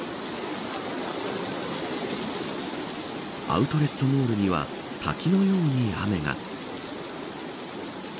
アウトレットモールには滝のように雨が。